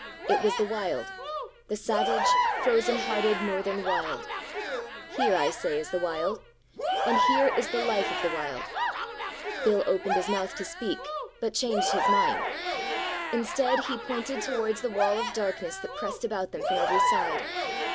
It was the Wild the savage, frozen hearted Northern Wild!' Here, I say, is the Wild. And here is the life of the Wild: 'Bill opened his mouth to speak, but changed his mind. Instead, he pointed towards the wall of darkness that pressed about them from every side.